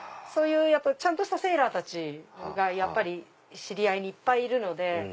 ちゃんとしたセーラーたちが知り合いにいっぱいいるので。